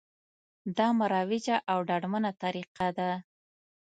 دا مروجه او ډاډمنه طریقه ده